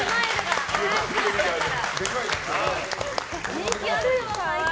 人気あるよ、最近！